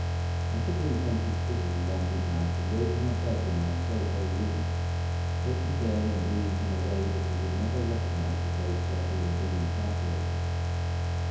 I took him from his prison one midnight, and gave him a bed in my Soho room, taking care in bringing him away that he would never recognise the place where he had been incarcerated.